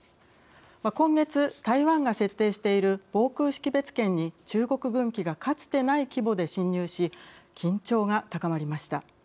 今月、台湾が設定している防空識別圏に中国軍機がかつてない規模で進入し緊張が高まりました。